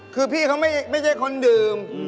คือพี่เขาไม่ใช่คนดื่ม